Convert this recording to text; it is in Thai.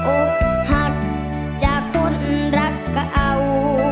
โอ้หากจะคุ้นรักก็เอา